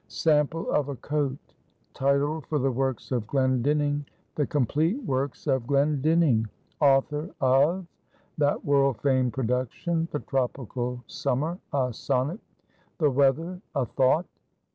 "Sample of a coat title for the works of Glendinning: THE COMPLETE WORKS OF GLENDINNING, AUTHOR OF That world famed production, "The Tropical Summer: a Sonnet." "_The Weather: a Thought.